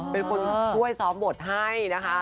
เป็นคนช่วยซ้อมบทให้นะคะ